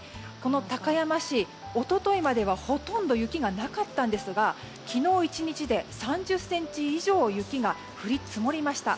高山市、一昨日まではほとんど雪がなかったんですが昨日１日で３０ｃｍ以上雪が降り積もりました。